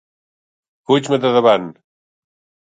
Fuig-me de davant!